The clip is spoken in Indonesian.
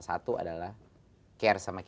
satu adalah care sama kita atau percaya sama kita